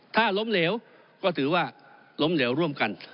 ถ้าล้มเหลวก็ถือว่าล้มเหลวร่วมกัน